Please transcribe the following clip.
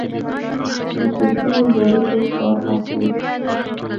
د توپونو باروتو کار اخلي.